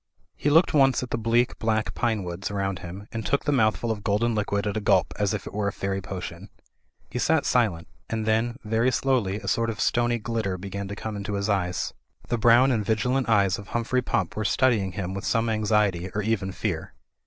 He looked once at the bleak, black pinewoods around him and took the mouthful of golden liquid at a gulp, as if it were a fairy potion. He sat silent ; and then, very slowly, a sort of stony glitter began to come into his eyes. The brown and vigilant eyes of Humphrey Pump were studying him with some anxiety or even fear.